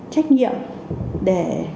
trách nhiệm để